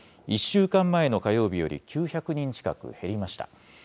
１週間前の火曜日より９００人近く減りました。